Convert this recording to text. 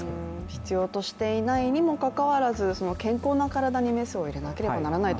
必要としていないにもかかわらず健康な体にメスを入れなければならないと。